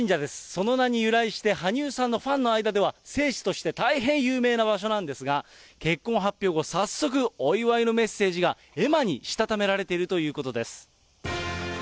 その名に由来して、羽生さんのファンの間では、聖地として大変有名な場所なんですが、結婚発表後、早速、お祝いのメッセージが絵馬にしたためられているということです。